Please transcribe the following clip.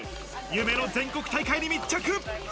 夢の全国大会に密着。